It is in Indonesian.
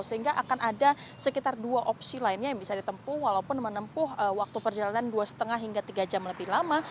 sehingga akan ada sekitar dua opsi lainnya yang bisa ditempuh walaupun menempuh waktu perjalanan dua lima hingga tiga jam lebih lama